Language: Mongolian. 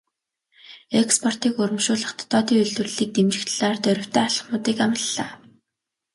Экспортыг урамшуулах, дотоодын үйлдвэрлэлийг дэмжих талаар дорвитой алхмуудыг амлалаа.